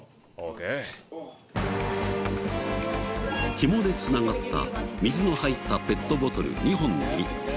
紐で繋がった水の入ったペットボトル２本に。